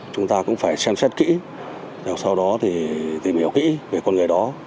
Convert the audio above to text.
chúng ta cũng phải xem xét kỹ để sau đó thì tìm hiểu kỹ về con người đó